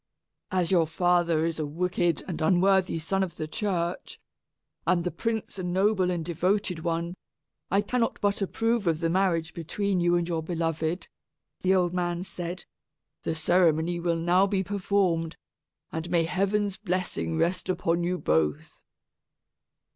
"As your father is a wicked and unworthy son of the church, and the prince a noble and devoted one, I cannot but approve of the marriage between you and your beloved," the old man said. "The ceremony will now be performed, and may heaven's blessing rest upon you both."